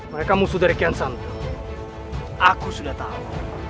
mereka musuh dari kian santo aku sudah tahu